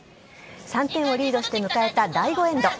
３点をリードして迎えた第５エンド。